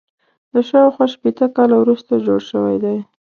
دا شاوخوا شپېته کاله وروسته جوړ شوی دی.